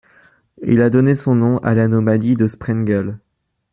Il a donné son nom à l'anomalie de Sprengel.